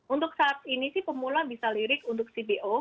untuk saat ini sih pemula bisa lirik untuk cpo